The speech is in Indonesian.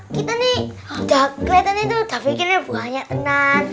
kita nih kelihatannya tuh udah bikinnya banyak tenang